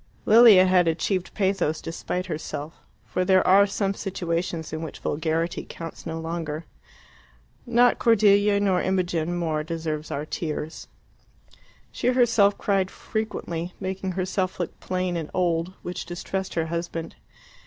Lilia had achieved pathos despite herself, for there are some situations in which vulgarity counts no longer. Not Cordelia nor Imogen more deserves our tears. She herself cried frequently, making herself look plain and old, which distressed her husband.